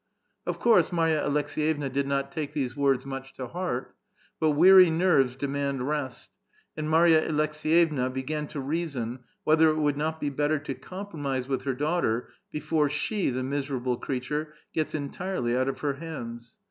Of course, Marva Aleks^vevna did not take these words niiicli to heart ; but wearv neiTcs demand rest, and Marya Alekdcyevna began to reason whether it would not be better to compromise with her daughter before she, the miserable creature, gets entirely out of her hands.